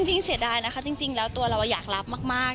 เสียดายนะคะจริงแล้วตัวเราอยากรับมาก